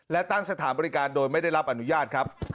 และตั้งสถานบริการโดยไม่ได้รับอนุญาตครับ